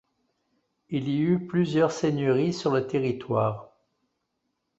Il y eut plusieurs seigneuries sur le territoire.